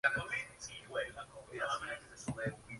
La acidosis es un predictor fiable, pero no siempre está disponible.